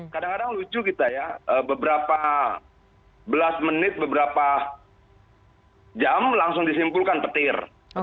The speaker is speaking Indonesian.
kadang kadang lucu kita ya beberapa belas menit beberapa jam langsung disimpulkan petir